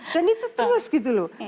dan itu terus gitu loh